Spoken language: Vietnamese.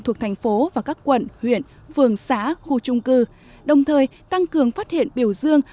thuộc thành phố và các quận huyện phường xã khu trung cư đồng thời tăng cường phát hiện biểu dương